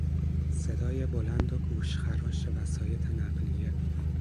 صدای بلند و گوشخراش وسایط نقلیه